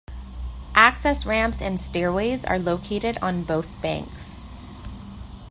Access ramps and stairways are located on both banks.